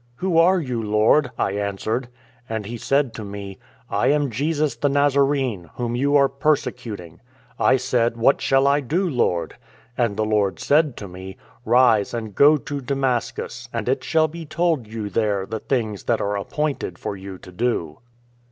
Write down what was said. "* Who are you, Lord ?' I answered. " And He said to me :"* I am Jesus the Nazarene, whom you are perse cuting.* " I said, * What shall I do, Lord? '" And the Lord said to me :"* Rise, and go to Damascus ; and it shall be told you there the things that are appointed for you to do.'